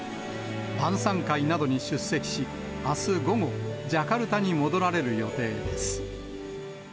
晩さん会などに出席し、あす午後、ジャカルタに戻られる予定です。